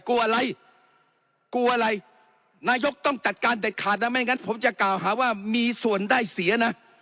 กลัวอะไรกลัวอะไรนายกต้องจัดการเด็ดขาดนะไม่งั้นผมจะกล่าวหาว่ามีส่วนได้เสียนะ